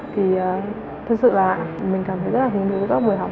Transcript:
thì thật sự là mình cảm thấy rất hứng thú với các bài học